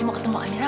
mau ketemu amira